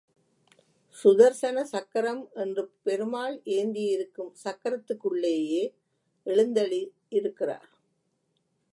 சுதர்சன சக்கரம் என்று பெருமாள் ஏந்தியிருக்கும் சக்கரத்துக்குள்ளேயே எழுந்தருளி யிருக்கிறார்.